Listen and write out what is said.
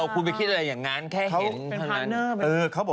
คุณไม่คิดอะไรอย่างนั้น